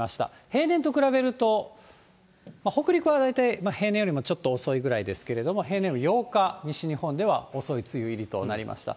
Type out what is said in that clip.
平年と比べると、北陸は大体、平年よりもちょっと遅いぐらいですけれども、平年より８日、西日本では遅い梅雨入りとなりました。